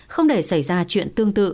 không để xảy ra chuyện tương tự